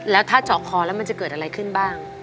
แล้วถ้าเจาะคอแล้วมันจะเกิดอะไรขึ้นบ้าง